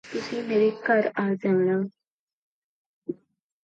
It is the sibilant equivalent of voiced palatal affricate.